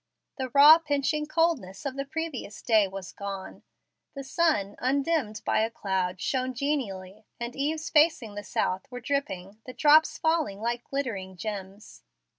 The raw, pinching coldness of the previous day was gone. The sun, undimmed by a cloud, shone genially, and eaves facing the south were dripping, the drops falling like glittering gems.